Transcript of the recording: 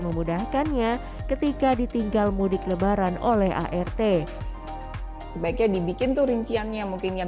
memudahkannya ketika ditinggal mudik lebaran oleh art sebaiknya dibikin tuh rinciannya mungkin yang